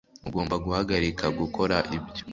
Ugomba guhagarika gukora ibyo